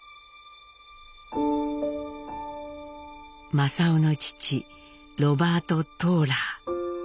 正雄の父ロバート・トーラー。